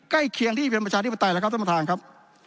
เคียงที่เป็นประชาธิปไตยแล้วครับท่านประธานครับ